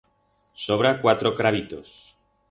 Sobra cuatro crabitos.